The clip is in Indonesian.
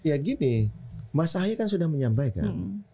ya gini mas ahaye kan sudah menyampaikan